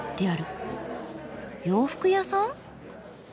洋服屋さん？